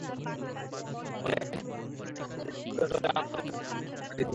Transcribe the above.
অনেকে সামাজিক যোগাযোগের মাধ্যম ফেসবুকেও তাঁদের আনন্দ ম্লান হওয়ার কথা লিখেছেন।